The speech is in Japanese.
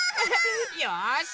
よし！